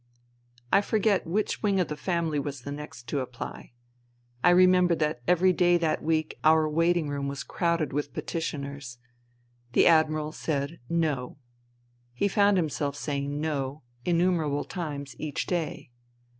I forget which wing of the family was the next to apply. I remember that every day that week our waiting room was crowded with petitioners. The Admiral said No. He found himself saying No innumerable times each day.